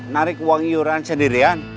narik uang yuran sendirian